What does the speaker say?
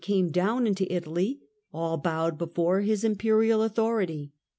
came down into Italy, all bowed before his imperial authority.